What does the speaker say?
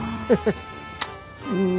うん。